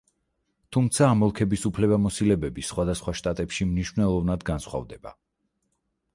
თუმცა ამ ოლქების უფლებამოსილებები სხვადასხვა შტატებში მნიშვნელოვნად განსხვავდება.